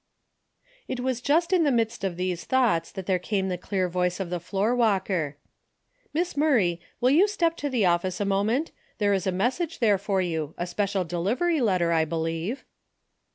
It was just in the midst of these thoughts that there came the clear voice of the floor walker : "Miss Murray, will you step to the office a moment. There is a message there for you, a special delivery letter I believe."